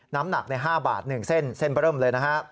น้ำหนัก๕บาท๑เส้นเส้นเปิดเริ่มเลยนะครับ